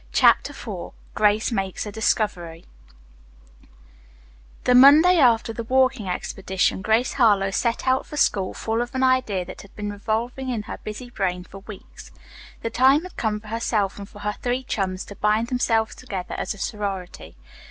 CHAPTER IV GRACE MAKES A DISCOVERY The Monday after the walking expedition, Grace Harlowe set out for school full of an idea that had been revolving in her busy brain for weeks. The time had come for herself and for her three chums to bind themselves together as a sorority.